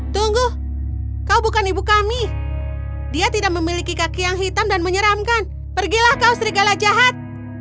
tunggu kau bukan ibu kami dia tidak memiliki kaki yang hitam dan menyeramkan pergilah kau serigala jahat